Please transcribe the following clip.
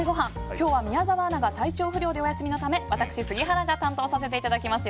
今日は宮澤アナが体調不良でお休みのため私、杉原が担当させていただきます。